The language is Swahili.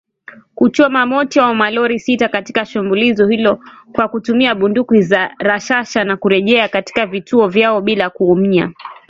kuchoma moto malori sita katika shambulizi hilo kwa kutumia bunduki za rashasha na kurejea katika vituo vyao bila kuumia